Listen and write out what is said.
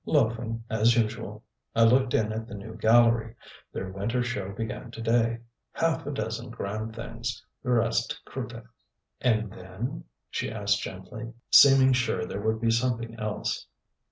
"Loafing as usual. I looked in at the New Gallery their winter show began to day half a dozen grand things the rest croûtes." "And then?" she asked gently, seeming sure there would be something else.